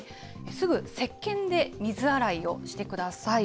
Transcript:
すぐせっけんで水洗いをしてください。